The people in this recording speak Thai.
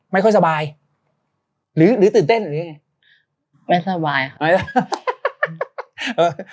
ไม่ค่อยสบายหรือหรือตื่นเต้นหรือยังไงไม่สบายค่ะ